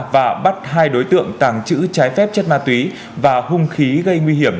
và bắt hai đối tượng tàng trữ trái phép chất ma túy và hung khí gây nguy hiểm